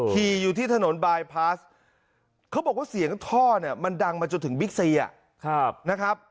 ขี่อยู่ที่ถนนบายพาสเขาบอกว่าเสียงท่อเนี่ยมันดังมาจนถึงบิ๊กซีนะครับ